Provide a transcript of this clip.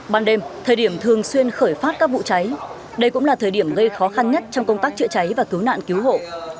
ban đêm thời điểm thường xuyên khởi phát các vụ cháy đây cũng là thời điểm gây khó khăn nhất trong công tác chữa cháy và cứu nạn cứu hộ